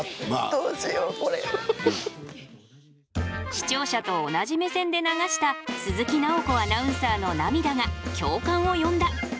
視聴者と同じ目線で流した鈴木奈穂子アナウンサーの涙が共感を呼んだ。